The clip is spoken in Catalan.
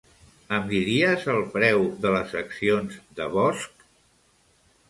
Em diries el preu de les accions de Bosch?